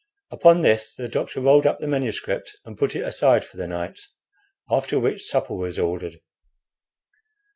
Upon this the doctor rolled up the manuscript and put it aside for the night, after which supper was ordered.